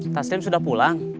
taslim sudah pulang